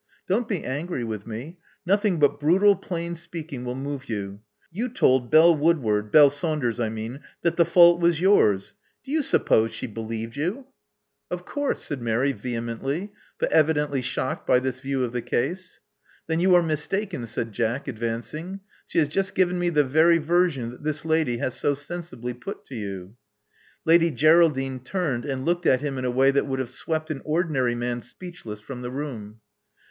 Don't be angry with me — nothing but brutal plain speaking will move you. You told Belle Woodward — Belle Saunders, I mean — that the fault was yours. Do you suppose she believed you?" 234 Love Among the Artists Of course," said Mary, vehemently, but evidently shocked by this view of the case. Then you are mistaken," said Jack, advancing. She has just given me the very version that this lady has so sensibly put to you." Lady Geraldine turned and looked at him in a way that would have swept an ordinary man speechless from the room.